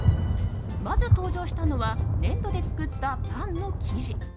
まず登場したのは粘土で作ったパンの生地。